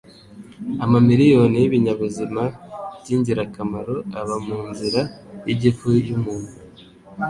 Amamiliyoni y'ibinyabuzima byingirakamaro aba mu nzira yigifu yumuntu.